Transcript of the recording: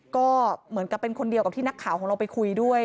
ก็เหมือนกับเป็นคนเดียวกับที่นักข่าวของเราไปคุยด้วย